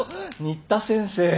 新田先生。